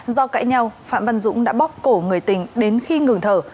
do cãi nhau phạm văn dũng đã bóc cổ người tình đến khi ngừng thở